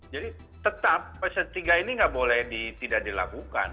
jadi tetap fase tiga ini tidak boleh ditidaklukan